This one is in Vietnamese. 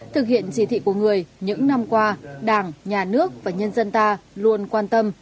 thực hiện chỉ thị của người những năm qua đảng nhà nước và nhân dân ta luôn quan tâm